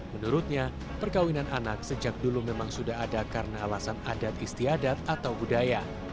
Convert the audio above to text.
menurutnya perkawinan anak sejak dulu memang sudah ada karena alasan adat istiadat atau budaya